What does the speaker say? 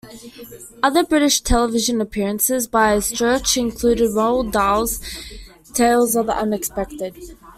Other British television appearances by Strich included Roald Dahl's "Tales of the Unexpected".